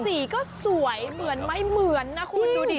สีก็สวยเหมือนไม่เหมือนนะคุณดูดิ